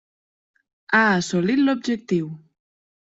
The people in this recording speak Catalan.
Ha assolit l'objectiu.